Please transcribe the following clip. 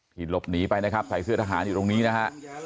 หลบหนีไปนะครับใส่เสื้อทหารอยู่ตรงนี้นะฮะ